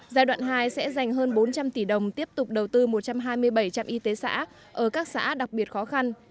giai đoạn hai sẽ dành hơn bốn trăm linh tỷ đồng tiếp tục đầu tư một trăm hai mươi bảy trạm y tế xã ở các xã đặc biệt khó khăn